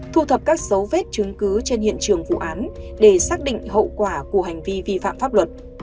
thu thập các dấu vết chứng cứ trên hiện trường vụ án để xác định hậu quả của hành vi vi phạm pháp luật